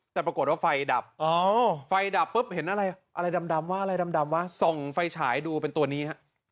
แต่ปรากฏว่าไฟดับไฟดับปุ๊บเห็นอะไรอะไรดำว่าอะไรดำวะส่องไฟฉายดูเป็นตัวนี้ฮะ